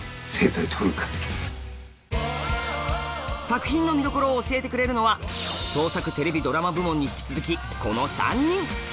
作品の見どころを教えてくれるのは「創作テレビドラマ部門」に引き続きこの３人！